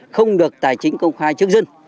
không được tài chính công khai trước dân